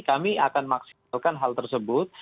kami akan maksimalkan hal tersebut